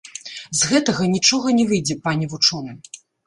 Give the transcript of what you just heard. З гэтага нічога не выйдзе, пане вучоны.